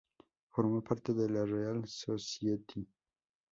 Formó parte de la Real Society.